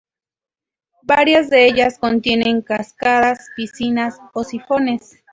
Varias de ellas contienen cascadas, piscinas, o sifones.